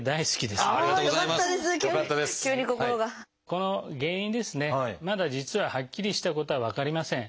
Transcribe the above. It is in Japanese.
この原因ですねまだ実ははっきりしたことは分かりません。